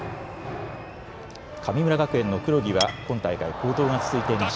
神村学園の黒木は今大会好投が続いていました。